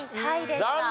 残念！